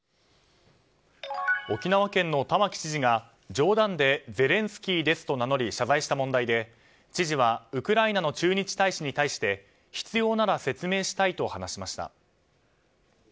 沖縄県の玉城知事が冗談でゼレンスキーですと名乗り謝罪した問題で知事はウクライナの駐日大使に対して必要なら説明したいと話しました。